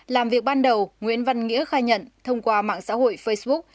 làm việc ban đầu nguyễn văn nghĩa khai nhận thông qua mạng xã hội facebook